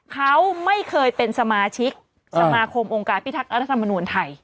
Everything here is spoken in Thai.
เขาไม่เคยเป็นสมาชิกสมาคมองค์การพิทักษ์รัฐธรรมนูลไทย